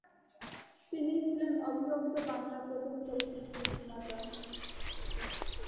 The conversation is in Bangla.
তিনিই ছিলেন অবিভক্ত বাংলার প্রথম চলচ্চিত্র নির্মাতা।